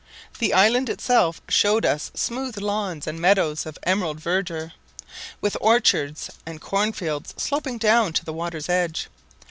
The island itself showed us smooth lawns and meadows of emerald verdure, with orchards and corn fields sloping down to the water's edge.